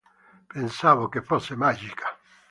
Pensavo che fosse magica.